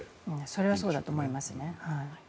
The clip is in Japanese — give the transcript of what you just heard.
それはそうだと思いますね。